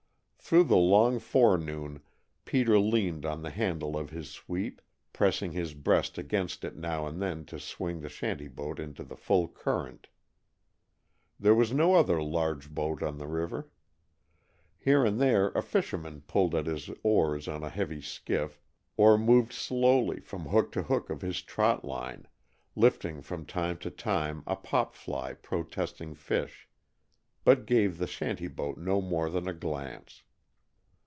Through the long forenoon Peter leaned on the handle of his sweep, pressing his breast against it now and then to swing the shanty boat into the full current. There was no other large boat on the river. Here and there a fisherman pulled at his oars in a heavy skiff, or moved slowly from hook to hook of his trot line, lifting from time to time a flop pily protesting fish, but gave the shanty boat no more than a glance.